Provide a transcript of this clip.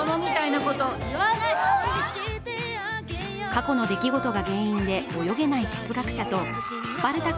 過去の出来事が原因で泳げない哲学者とスパルタ